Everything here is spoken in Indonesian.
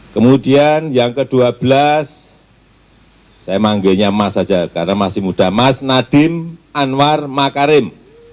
kemudian yang ke dua belas saya manggilnya mas saja karena masih muda mas nadiem anwar makarim